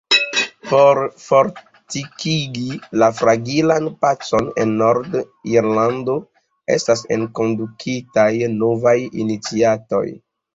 Por fortikigi la fragilan pacon en Nord-Irlando estas enkondukitaj novaj iniciatoj.